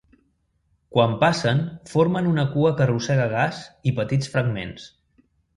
Quan passen, formen una cua que arrossega gas i petits fragments.